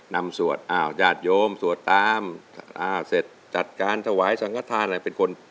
สวดอ้าวญาติโยมสวดตามอ่าเสร็จจัดการถวายสังฆฐานอะไรเป็นคน